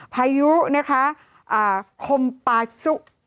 พายุโคมปาซุ